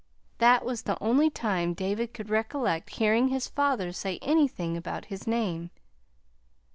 That was the only time David could recollect hearing his father say anything about his name.